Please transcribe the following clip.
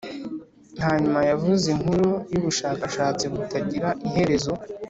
hanyuma yavuze inkuru yubushakashatsi butagira iherezo